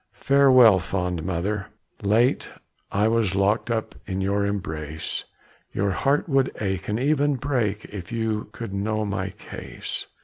"Farewell, fond mother; late I was Locked up in your embrace; Your heart would ache, and even break, If you could know my case.